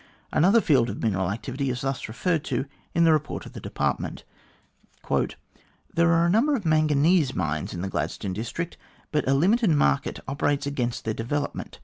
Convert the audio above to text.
Another field of mineral activity is thus referred to in the report of the Department : "There are a number of manganese mines in the Gladstone district, but a limited market operates against their development.